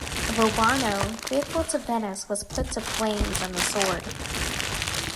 Vobarno, faithful to Venice, was put to flames and the sword.